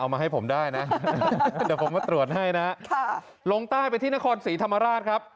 มาให้ผมได้นะเดี๋ยวผมมาตรวจให้นะลงใต้ไปที่นครศรีธรรมราชครับ